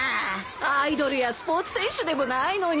アイドルやスポーツ選手でもないのに。